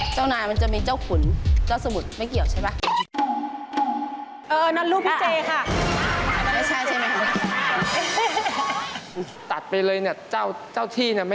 เจ้านายมันจะมีเจ้าขุนเจ้าสมุทรไม่เกี่ยวใช่ไหม